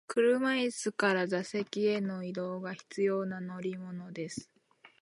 車椅子から座席への移動が必要な乗り物です。